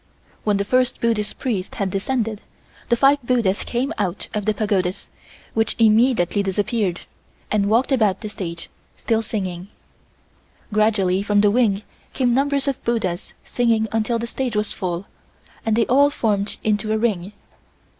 When the first Buddhist Priest had descended, the five buddhas came out of the pagodas, which immediately disappeared, and walked about the stage, still singing. Gradually from the wing came numbers of buddhas singing until the stage was full, and they all formed into a ring.